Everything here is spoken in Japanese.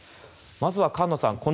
まずは菅野さん